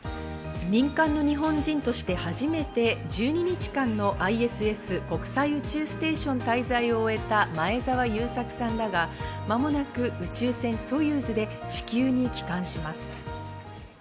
民間の日本人として初めて１２日間のＩＳＳ＝国際宇宙ステーション滞在を終えた前澤友作さんらが間もなく宇宙船・ソユーズで地球に帰還します。